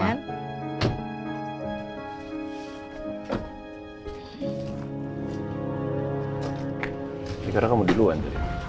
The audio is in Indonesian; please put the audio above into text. dari mana kamu duluan tadi